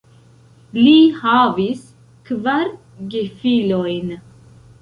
Li havis kvar gefilojn.